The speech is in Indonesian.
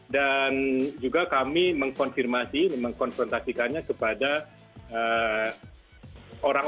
dan juga kami mengkonfirmasi mengkonfrontasikannya kepada orang orang